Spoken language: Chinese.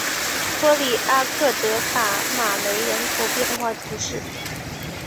托里阿克德卡马雷人口变化图示